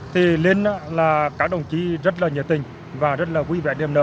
thì lên là các đồng chí rất là nhiệt tình và rất là vui vẻ niềm nợ